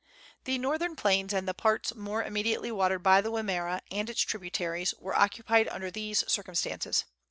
The northern plains and the parts more immediately watered by the Wimmera and its tributaries were occupied under these circumstances.